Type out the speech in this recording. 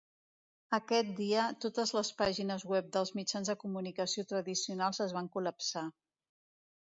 Aquest dia totes les pàgines web dels mitjans de comunicació tradicionals es van col·lapsar.